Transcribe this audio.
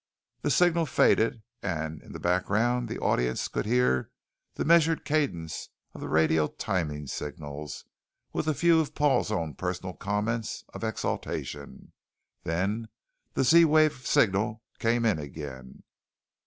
the signal faded and in the background the audience could hear the measured cadence of the radio timing signals, with a few of Paul's own personal comments of exultation. Then the Z wave signal came in again